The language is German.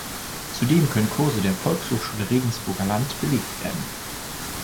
Zudem können Kurse der "Volkshochschule Regensburger Land" belegt werden.